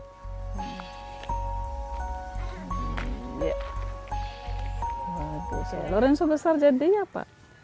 lorenzo besar jadinya apa